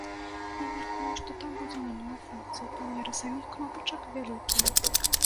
Мы мяркуем, што там будзе мінімум функцый, памеры саміх кнопачак вялікія.